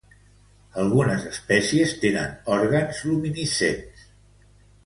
Algunes espècies tenen òrgans luminescents.